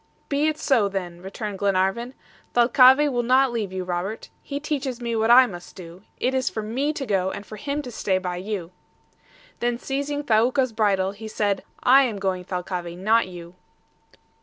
"Be it so then!" returned Glenarvan. "Thalcave will not leave you, Robert. He teaches me what I must do. It is for me to go, and for him to stay by you." Then seizing Thaouka's bridle, he said, "I am going, Thalcave, not you."